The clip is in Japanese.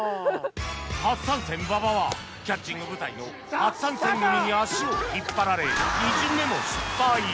初参戦馬場はキャッチング部隊の初参戦組に足を引っ張られ２巡目も失敗